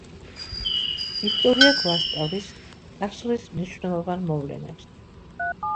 ისტორია გვასწავლის წარსულის მნიშვნელოვან მოვლენებს.